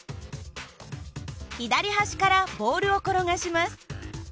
左端からボールを転がします。